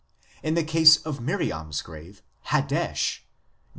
In the case of Miriam s grave, Hadesh (Num.